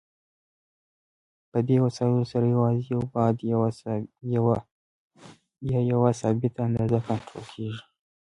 په دې وسایلو سره یوازې یو بعد یا یوه ثابته اندازه کنټرول کېږي.